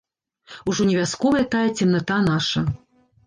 Ужо не вясковая тая цемната наша!